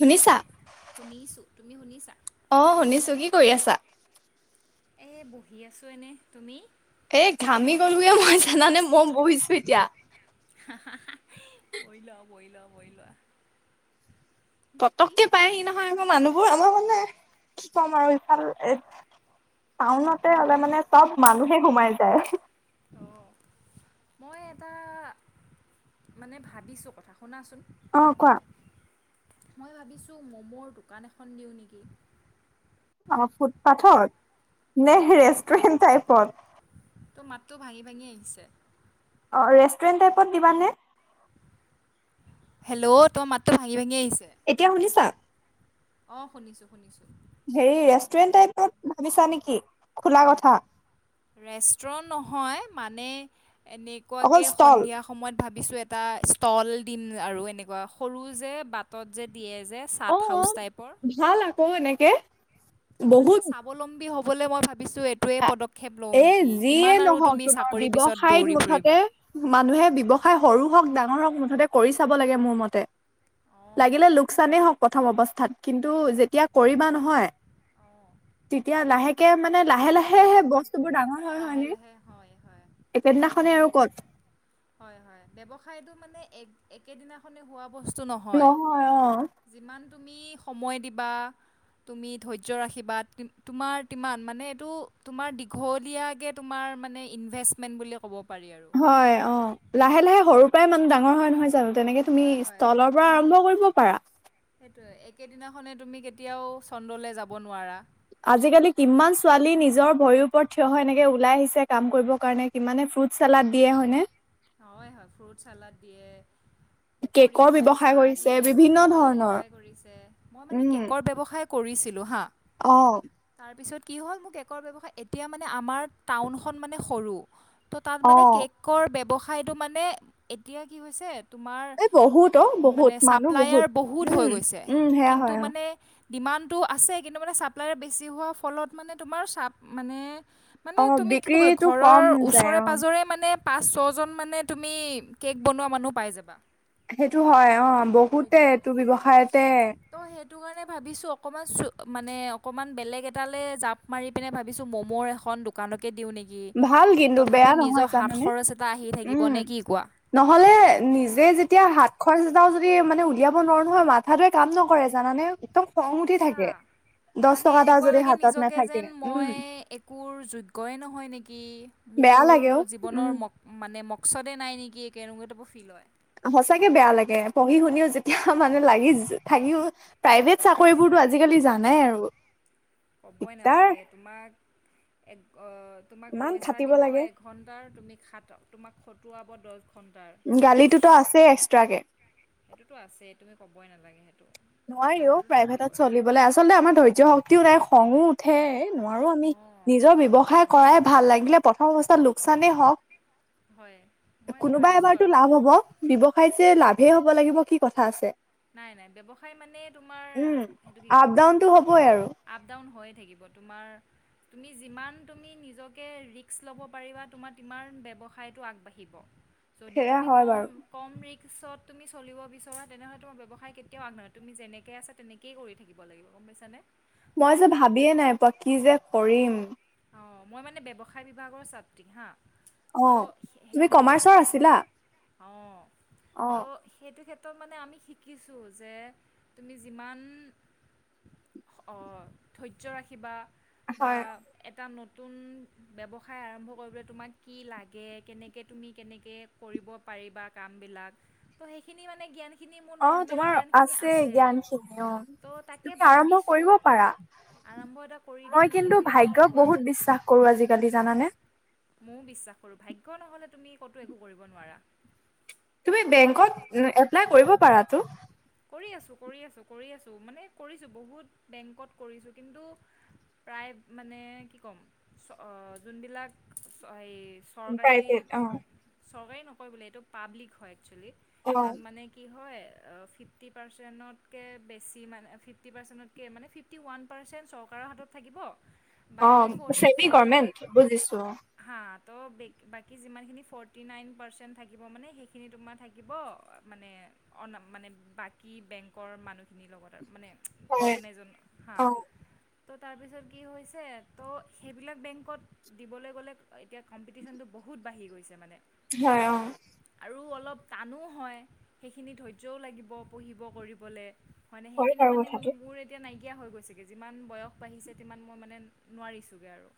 শুনিছা শুনিছোঁ তুমি শুনিছা অ শুনিছো কি কৰি আছা এ বহি আছো এনে তুমি এ ঘামি গলোৱে মই জানানে মই বহিছো এতিয়া বই লোৱা বই লোৱা বই লোৱা বাকী পতককে পায়হি নহয় আকৌ মানুহ অ আমাৰ মানে কম আৰু ইফাল এ টাউনতে অঁ। হ'লে মানে চব মানুহ সোমাই যায় অঁ মই এটা মানে ভাবিছোঁ কথা শুনাচোন অ কোৱা মই ভাবিছোঁ মমোৰ দোকান এখন দিওঁ নেকি অ ফুটপাথত নেৰেষ্টটেণ্টাইপত তো মাতটো ভাঙি ভাঙি আহিছে অ ৰেষ্টুৰেণ্ট টাইপত দিবানে হেলল তো মাত ভঙি ভঙি আ এতিয়া শুনিছা। অ শুনিছো শুনিছো হেৰি ৰেষ্টুৰেণ্ট টাইপত ভাবিছা নেকি খোলা কথা। ৰেষ্টুৰ নহয় মানে। অকল এনেকুৱাকে ষ্টল সন্ধিয়া সময়ত ভাবিছো এটা তল দম আৰু এনেকুৱা সৰু যে বাটত যে দিয়ে যে অ চাট অ হাউচ টাইপৰ ভাল আকৌ এনেকে ম স্বাৱলম্বী হ হবলে মই ভো এ এ যিয়ে কিমান আৰু নহওক তুমি তোমাৰ চাকৰিৰ পিছত ব্য্ৱসায়ত দৌৰি মুঠতে ফুৰিবা মানুহে ব্য্ৱসায় সৰু হওক ডাঙৰ ক মুঠতে কৰি চাব লাগে মোৰ মতে অঁ লাগিলে লোকচানেই হওঁক প্ৰথম অৱস্থাত কিন্তু যেতিয়া কৰিবা নহয় অঁ তেতিয়া লাহেকে মানে লাহে লাহে সেহে বস লাহে লাহে হয় হয় একেদিনাখনে মানে আৰু ক'ত হয় হয় ব্ৱসায়টো মানে এক একেদিনাখনে হোৱা বস্তু নহয় আহ যিমান তুমি সময় দিবা তুমি ধৈৰ্য ৰাখিবা তোমাৰ মান মানে এইটো তোমাৰ দীঘল তে তোমাৰ মানে ইনভেষ্টমেণ্ট বুলি ক'ব পাৰি আৰু হয় অ লাহে লাহে সৰু প্ৰায় মানহ ডাঙৰ হয় নহয় জান তেনেকে তুমি হয় হয় তলৰ পৰা তুমি আৰম্ভ কৰিব পাৰা, সেইটোৱে একেদিনাখনে তুমি কেতিয়াও চন্দ্ৰলৈ যাব নোৱাৰা আজিকালি কিমান ছোৱালী নিজৰ ভৰিৰ ওপৰত থিয় হৈ এনেকে ওলাই আহিছে কাম কৰিব কাৰণে কিমানে ফ্ৰুত চালাড দিয়ে হয়নে? হয় হয় ফ্ৰুট চালাড দিয়ে পকৰি কেকৰ বনাই ব্যৱসায় চাহ কৰিছে দিয়ে বিভিন্ন কেকৰ ধৰণৰ ব্যৱসায় কৰিছে মই মানে উম কেকৰ ব্যৱসায়, কৰিছিলোঁ হাঁ অ তাৰপিছত কি হ'ল মোক কেকৰ ব্যৱসায় এতিয়া মানে আমাৰ টাউনখন মানে সৰু ত' তাত অ মানে কেকৰ ব্যৱসায় খাইটো মানে এতিয়া কি হৈছে তোমাৰ এই বহুত অ বহুত মানে মানুহ ছাপ্লায়াৰ বহুত হৈ উম গৈছে উম সেয়া কিন্তু হয় অ মানে ডিমাণ্ডটো আছে কিন্তু মানে ছাপ্লাই বেছি হোৱাৰ ফলত মানে তোমাৰ চাপ মানে মানে অ তুমি কি ক'বলৈ বিক্ৰীটো ঘৰৰ কম যায় ওচৰে অ পাজৰে মানে পাঁচ ছয়জন মানে তুমি কেক বনোৱা মানুহ পাই যাবা সেইটো হয় অ বহুতে সেইটো কাৰণে এইটো ব্যৱসায়তে ত সেইটো কাৰণে ভাবিছো অকমান চো মানে অকণমান বেলেগ এটালে জাপ মাৰি পিনে ভাবিছোঁ ম'ম'ৰ এখন দোকানত দিও নেকি ভাল কিন্তু বেয়া তথাপিও নহয় নিজৰ হাত জানানে খৰচ এটা আহি থাকে উম নহলে নিজে যেতিয়া হাত খৰচ এটাও যদি মানে উলিয়াব নোৱাৰো নহয় মাথা টোৱে কাম নকৰে জানানে একদম খং উঠি সঁচা থাকে দহ মানে টকা এটা এনেকোৱা যদি লাগে হাতত নিজকে নাথাকে যেন উম মই একোৰ যোগ্যই নহয় নেকি, কি বেয়া মোৰ লাগে অ উম জীৱনৰ ম মানে ম ওচৰতে নাই নেকি একে কেনেকোৱা টাইপৰ ফিল হয় সঁচাকে বেয়া লাগে পঢ়ি শুনিও যেতিয়া মানে লাগি থাকিও প্ৰাইভেট চাকৰিবোৰতো সঁচাকৈ আজিকালি জানাই আৰু ক'বই দিগদাৰ নালাগে তোমাক এক অ তোমাক ইমান পইচা খাটিব দিব লাগে। এঘণ্টাৰ তুমি খাত তোমাক খ খটোৱাব দছ গালিটোতো আছেই এক্সট্ৰাকে সেইটোতো আছেই তুমি ক'বই নালাগে সেইটো, নোৱাৰি অ সেইটোতো প্ৰাইভেটত থাকিবই চলিবলৈ আচলতে আমাৰ ধৈৰ্য শক্তিও নাই খঙো উ ঠে নোৱাৰো আমি অঁ নিজৰ সেইটোৱে ব্যৱসায় কৰাই ভাল লাগিলে প্ৰথম অৱস্থাত লোকচানেই হয় মই হওক এইটো কোনোবা ভাবিছোঁ এবাৰতটো আৰু লাভ হব ব্যৱসায় যে লাভে হ'ব লাগিব কি কথা আছে নাই নাই ব্যৱসায় মানে তোমাৰ উম। সেইটো কি আপ ক'ম ডাউনটো হ'বই আৰু আপ ডাউন হয় থাকিব তোমাৰ তুমি যিমান তুমি নিজকে ৰিস্ক ল'ব পাৰিবা তোমাৰ সিমান ব্যৱসায়টো আগবাঢ়িব যদি সেয়া তুমি হয় কম বাৰু কম ৰিস্কত তুমি চলিব বিচৰা তেনেহ'লে তোমাৰ ব্যৱসায় কেয়াও আগনাবাঢ়ে তুমি যেনেকে আছে তেনেকেই কৰি থাকিব লাগিব গম পাইছানে মই কয় যে নহয় ভাবিয়ে নাই পোৱা কি যে কৰিম অ মই মানে ব্যৱসায় বিভাগৰ ছাত্ৰী হা অ তো তুমি সেইটো কমাৰ্চৰ সে আছিলা অ ত মানে আমি শিকিছোঁ যে তুমি যিমান ধৈৰ্য্য ৰাখিবা বা হয় এটা নতুন ব্যৱসায় আৰম্ভ কৰিবলৈ তোমাক কি লাগে কেনেকৈ তুমি কেনেকে কৰিব পাৰিবা কামবিলাক তো সেইখিনি মানে জ্ঞান সেইখিনি মোৰ অ নৰ্মেল তোমাৰ জ্ঞানখিনি আছে জ্ঞান খিনি অ। ত' তাকে তুমি আৰম্ভ ভাবিছোঁ কৰিব পাৰা আৰম্ভ এটা কৰি দিওঁ মই নেকি কিন্তু বুলি নে কি ভাগ্যক কোৱা বহুত বিশ্বাস কৰো আজিকালি জানানে ময়ো বিশ্বাস কৰোঁ ভাগ্য নহ'লে তুমি ক'তো একো কৰিব নোৱাৰা তুমি বেংকত এপ্লাই কৰিব পাৰা তো কৰি আছোঁ কৰি আছোঁ কৰি আছোঁ মানে কৰিছোঁ বহুত বেংকত কৰিছোঁ কিন্তু প্ৰায় মানে কি ক'ম চ যোনবিলাক এইেই চৰকাৰী প্ৰাইভেট অ। চৰকাৰী নহ কয় বোলে এইটো পাব্লিক হয় একচেলি অ তাত মানে কি হয় ফিফ ফিফটি পাৰ্চেণ্টতকে বেছি মানে ফিফটি পাৰ্চেণ্টতকে মানে ফিফটি ওৱান পাৰ্চেণ্ট চৰকাৰৰ হাতত থাকিব অ বাকী ফ'ৰ্টি ছেমি ফ'ৰ্টিন গমেণ্ট বুজিছো অ হা তো বে বাকী যিমানখিনি ফৰ্টি নাইন পাৰ্চেণ্ট থাকিব মানে সেইখিনি তোমাৰ থাকিব মানে অ মানে বাকী বেংকৰ মানুহখিনিৰ লগত আৰু মানে হয় অৰ্গনাইজন হা অ ত' তাৰপিছত কি হৈছে ত' সেইবিলাক বেংকত দিবলৈ গ'লে এতিয়া কম্পিটিশ্যনটো বহুত বাঢ়ি গৈছে মানে হয় অ আৰু অলপ টানো হয় সেইখিনি ধৈৰ্য্যও লাগিব পঢ়িব কৰিবলৈ হয় ন সেইখিনি বাৰু মানে কথাটো মোৰ এতিয়া নাইকিয়া হৈ গৈছেগে যিমান বয়স বাঢ়িছে ইমান মই মানে নোৱাৰিছোগে আৰু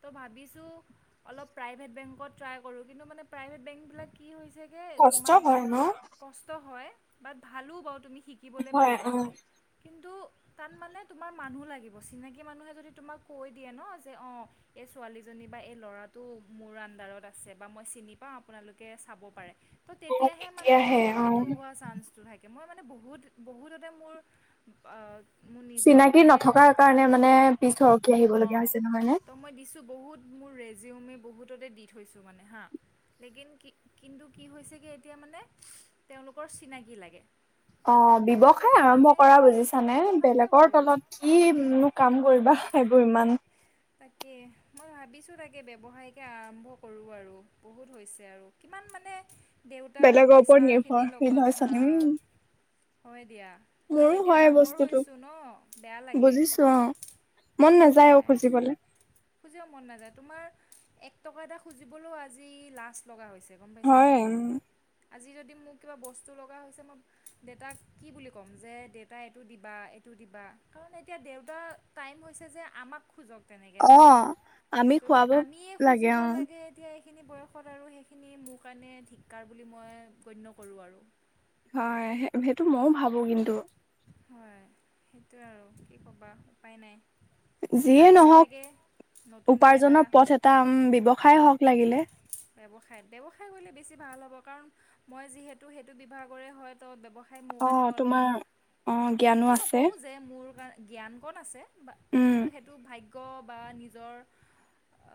ত' ভাবিছো অলপ প্ৰাইভেট বেংকত ট্ৰাই কৰোঁ কিন্তু মানে প্ৰভেট বেংক বিলাক কি হৈছে কৈ কষ্ট তোমাক হয় ন। কষ্ট হয় বাট ভাল ভালো বাৰু তুমি শিকিবলৈ হয় পাৰিবা অ কিন্তু তাত মানে তোমাৰ মানুহ লাগিব চিনাকী মানুহে যদি তোমাক কৈ দিয়ে ন যে অঁ এই ছোৱালীজনী বা এই ল'ৰাটো মোৰ আণ্ডাৰত আছে বা মই চিনি পাওঁ আপোনালোকে চাব পাৰে ত' অ তেতিয়াহে মানে অ। জবটো হোৱা চানসটো থাকে মই মানে বহুত বহুততে মোৰ মোৰ নিজৰ চিনাকি মানে নথকাৰ কাৰণে মানে পিছ সৰকি আহিব লগগীয়া হঁ হৈছে নহয় নে তো মই দিছোঁ বহুত মোৰ ৰেজিউমেই বহুততে দি থৈছোঁ মানে হাঁ লেকিন কি কিন্তু কি হৈছে কি এতিয়া মানে তেওঁলোকৰ চিনাকি লাগে অ তো ব্যৱসায় সেইটো আৰম্ভ কাৰণে কৰা বুজিছানে ব্যৱসায়কে বেলেগৰ কৰোঁ তলত কি নো কাম কৰিবা এইবোৰ ইমান তাকে মই ভাবিছোঁ তাকে ব্যৱসায়কে আৰম্ভ কৰোঁ আৰু বহুত হৈছে আৰু কিমান মানে দেউতাৰ বেলেগৰ ওপৰত পইচাৰখিনিৰ নিৰ্ভৰশীল হৈ লগত চলিম হাঁ হয় দিয়া আৰু মোৰো এতিয়া হয় ডাঙৰ বস্তুটো হৈছোঁ ন বেয়া লাগে বুজিছো অ মন নাযায় অ সেয়াই আৰু খুজিবলে খুজিব মন নাযায় তোমাৰ এক টকা এটা খুজিবলৈও আজি লাজ লগা হৈছে যে গম পাইছানে হয় উম আজি যদি মোক কিবা বস্তু লগা হৈছে মই দেউেতাক কি বুলি ক'ম যে দেউতাই এইটো দিবা এইটো দিবা কাৰণ এতিয়া দেউতা টাইম হৈছে যে আমাক খোজক তেনেকে ন অ আমি খুৱাব লাগে অ সেইখিনি বয়সত আৰু সেইখিনি মোৰ কাৰণে ধিক্কাৰ বুলি মই গণ্য কৰোঁ আৰু হয় সেইটো মইও ভাবো কিন্তু হয় সেইটোৱে আৰু কি ক'বা উপায় নাই যিয়েই ভাবিছোঁ নহওক তাকে নতুনকৈ এটা উপাৰ্জনৰ পথ এটা ব্যৱসায় হওক লাগিলে [unintelligible] খাই মোৰ কাৰণে অ তোমাৰ অলপ অ জ্ঞানো আছে তোৰ জ্ঞান ক'ত আছে বা উম কিন্তু সেইটো ভাগ্য কব বা নিজৰ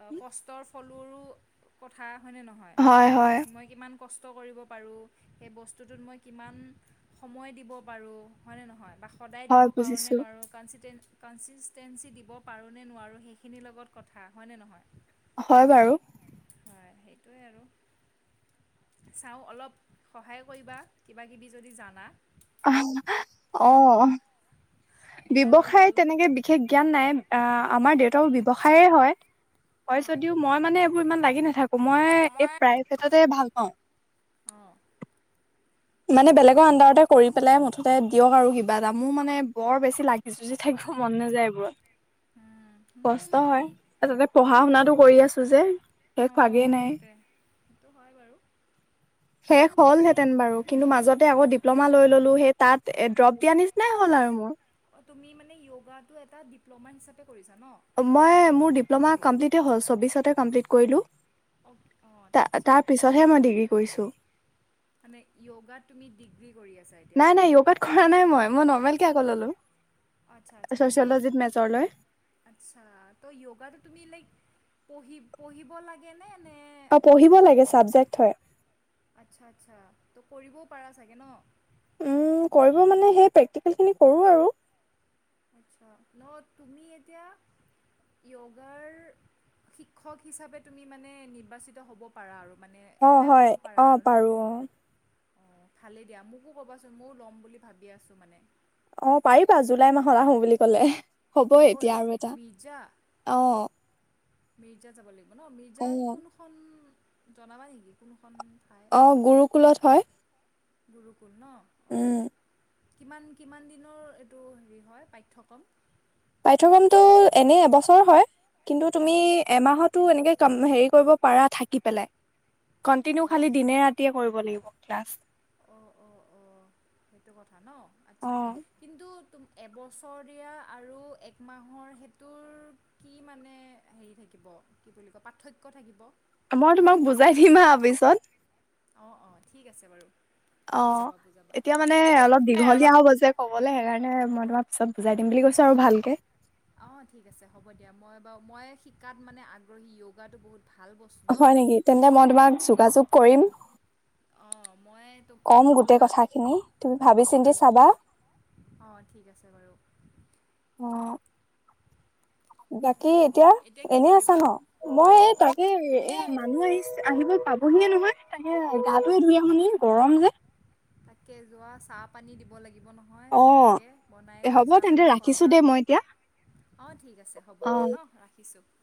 অ কষ্টৰ ও কথা হয় নে নহয় হয় হয় মই কিমান কষ্ট কৰিব পাৰোঁ সেই বস্তুটোত মই কিমান সময় দিব পাৰোঁ হয়নে নহয় কা সদায় হয় দিব পাৰোঁনে বুজিছো নোৱাৰোঁ কনফিডেণ্ট কনচিষ্টেঞ্চি দিব পাৰোঁনে, নোৱাৰোঁ সেইখিনিৰ লগত কথা হয়নে নহয়? হয় বাৰু। হয় সেইটোৱে আৰু চাওঁ অলপ সহায় কৰিবা কিবা কিবি যদি জানা। অঁ। সহায় কৰিবা ব্যৱসায়ত অলপ তেনেকে বিশেষ জ্ঞান নাই। অঁ, আমাৰ দেউতাও ব্যৱসায়ে হয়। হয় অঁ যদিও মই মানে এইবোৰ ইমান লাগি নাথাকো মই এই প্ৰাইভেটতে ভাল পাওঁ অঁ মানে বেলেগৰ আডাৰতে কৰি পেলাই মুঠতে দিয়ক আৰু কিবা এটা মোৰ মানে বৰ বেছি লাগি যুজি। থাকিব মন নাযায় এইবোৰত মোৰ কষ্ট মানে হয় কি যাতে পঢ়া কি শুনাটো কৰি আছো যে শেষ হোৱাগেই অঁ নাই সেইটোৱে। সেইটো হয় বাৰু শেষ আৰু কি মানে হলহেঁতেন বাৰু। মাজতে আকৌ ডিপ্লমা লৈ ললো সেই তাত ড্ৰপ দিয়া নিচিনাই হ'ল আৰু মোৰ। তুমি মানে য়গাটো এটা ডিপ্ল'মা হিচাপে। কৰিছা ন? মই মোৰ ডিপ্লমা কমপ্লীত। হল চৌবিশতে কমপলিট কৰিলো। অঁ ত তাৰপিছত তাৰ পিছতহে মই ডিগ্ৰী কৰিছো। মানে য়গা তুমি ডিগ্ৰী। কৰি আছা এতিয়া? নাই নাই য়গাত কৰা নাই মই মই নৰমেলকে আকৌ আচ্ছা আচ্ছা ললো মানে চচিওলজি ত মেজৰ লৈ। আচ্ছা তো য়োগাটো তুমি লাইক পঢ়ি পঢ়িব লাগে নে? অঁ, পঢ়িব লাগে ছাবজেক্ট হয়। ত' কৰিবও পাৰা চাগে ন। উম কৰিব মানে সেই প্ৰেক্টিকেল খিনি কৰোঁ আৰু। আছা ন তুমি এতিয়া য়গাৰ শিক্ষক হিচাপে তুমি মানে নিৰ্বাচিত হ'ব পাৰা আৰু।। মানে অঁ, এপ্লাই হয় অঁ, পাৰো অঁ অ ভালে দিয়া মোকো কবাচোন মইও ল'ম বুলি ভাবি আছো মানে। অঁ, পাৰিবা জুলাই মাহত আহো বুলি কলে। হ'বই এতিয়া ক'লে আৰু এটা মিৰ্জা অঁ। মিৰ্জা যাব লাগিব। মানে মিৰ্জাই কোনখন? জনাবা নেকি কোনোখন? অঁ, গুৰুকুলত হয় গুৰুকুল ন। অঁ উম। কিমান কিমান দিনৰ এইটো হেৰি হয় পাঠ্যক্ৰম। পাঠ্যক্ৰমতটো এনেই এবছৰ হয়। কিন্তু তুমি অঁ এমাহত। এনেকে ক হেৰি কৰিব পাৰা থাকি পেলাই কন্টিনিউ অঁ খালি দিনে ৰাতিয়ে কৰিব লাগিব ক্লাছ। অঁ অঁ অঁ সেইটো কথা ন অ আচ্ছা কিন্তু? এবছৰ দিয়া আৰু একমাহৰ সেটোৰ কি মানে হেৰি থাকিব কি বুলি কয় পাৰ্থক্য থাকিব। মই তোমাক বুজাই দিম হা পিছত অ অ ঠিক আছে বাৰু অ বুজাবা বুজাবা এতিয়া মানে অলপ দীঘলীয়া হ'ব যে ক'বলৈ সেইকাৰণে ম তোমাৰ পিছত বুজাই দিম বুলি কৈছে আৰু ভালকে অ ঠিক আছে হ'ব দিয়া মই বাৰু মই শিকাত মানে আগ্ৰহী য়গাতটো বহুত। ভাল বস্তু ন হয় নেকি তেন্তে মই তোমাক যোগাযোগ কৰিম অঁ মই তো কম গোটেই যোগা কথাখিনি তুমি ভাবি অঁ চিন্তি ভাল চাবা অঁ ঠিক আছে বাৰু অহ বাকী এতিয়া এনে আছা ন মই এই তাকে এয়া মানুহ আহিছে আহিব পাবহিয়ে নহয় তাকে গাটো অঁ ধুই আহোনি শুনি গৰম যে। তাকে যোৱা চাহ পানী দিব লাগে দিব নহয় অ ধুনীয়াকৈ বনাই কৰি হ'ব চাহ তেন্তে পানী ৰাখিছো খোৱাবা দেই মই এতিয়া অ ঠিক আছে হ'ব অ। অ দিয়া ন ৰাখিছোঁ।